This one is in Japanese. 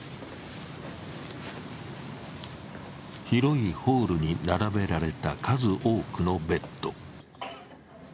広いホールに並べられた数多くのベッド。